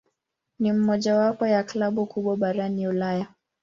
Ni mojawapo ya klabu kubwa barani Ulaya.